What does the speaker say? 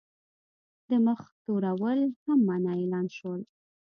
د مخ تورول هم منع اعلان شول.